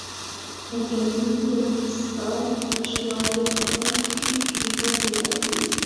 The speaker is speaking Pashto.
په ټولنه کې د انصاف نشتوالی په خلکو کې کینه پیدا کوي.